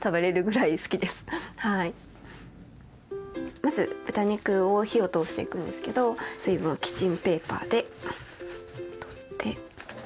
まず豚肉を火を通していくんですけど水分をキッチンペーパーで取って。